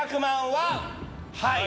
はい！